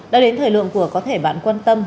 đã đến thời lượng của có thể bạn quan tâm